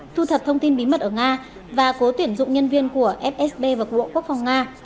thu thập thông tin bí mật ở nga và cố tuyển dụng nhân viên của fsb và của bộ quốc phòng nga